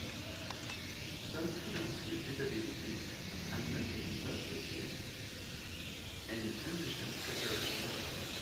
Some students with disabilities have noted not receiving any transition preparation at all.